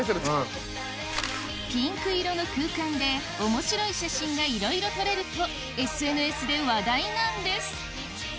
ピンク色の空間で面白い写真がいろいろ撮れるとＳＮＳで話題なんです